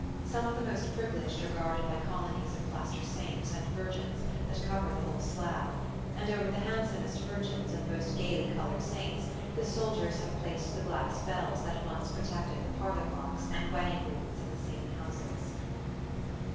Some of the most privileged are guarded by colonies of plaster saints and Virgins that cover the whole slab; and over the handsomest Virgins and the most gaily coloured saints the soldiers have placed the glass bells that once protected the parlour clocks and wedding wreaths in the same houses.